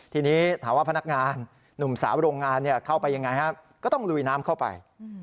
ทีนี้ถามว่าพนักงานหนุ่มสาวโรงงานเข้าไปยังไงฮะก็ต้องลุยน้ำเข้าไป